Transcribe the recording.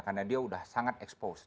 karena dia sudah sangat exposed